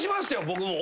僕も。